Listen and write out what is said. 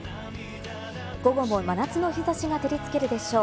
午後も真夏の日差しが照りつけるでしょう。